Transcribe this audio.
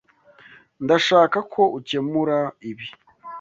Ndashaka ko ukemura ibi.